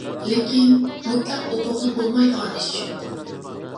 لېكىن مۇتلەق ئوقۇغىلى بولمايدىغان ئىش يوق.